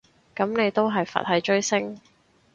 噉你都係佛系追星